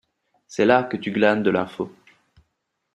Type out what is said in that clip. C’est là que tu glanes de l’info.